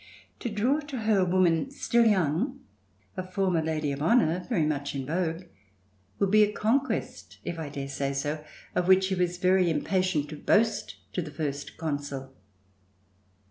To draw to her a woman still young, a former Lady of Honor very much in vogue, would be a conquest, if I dare say so, of which she was very impatient to boast to the First Consul.